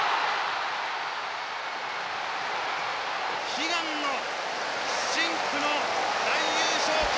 悲願の深紅の大優勝旗